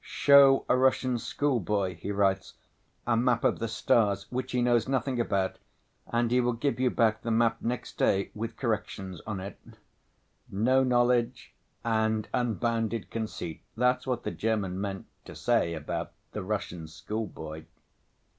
'Show a Russian schoolboy,' he writes, 'a map of the stars, which he knows nothing about, and he will give you back the map next day with corrections on it.' No knowledge and unbounded conceit—that's what the German meant to say about the Russian schoolboy."